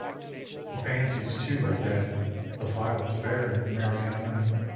The pansies, too, are dead, the violet varied, Mariana!